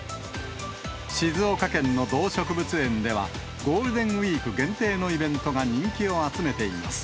静岡県の動植物園では、ゴールデンウィーク限定のイベントが人気を集めています。